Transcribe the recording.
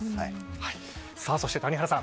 そして谷原さん。